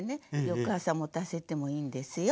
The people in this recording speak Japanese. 翌朝持たせてもいいんですよ。